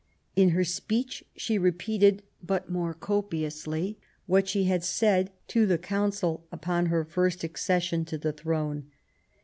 In her speech she repeated, but more copiously, what she had said to the council upon her first accession to the throne.